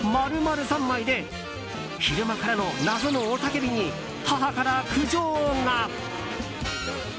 ざんまいで昼間からの謎の雄たけびに母から苦情が。